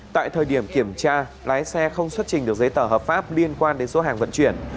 tại thời điểm kiểm tra lái xe không xuất trình được giấy tờ hợp pháp liên quan đến số hàng vận chuyển